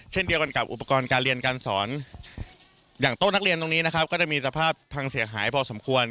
เช่นเดียวกันกับอุปกรณ์การเรียนการสอนอย่างโต๊ะนักเรียนตรงนี้นะครับก็จะมีสภาพพังเสียหายพอสมควร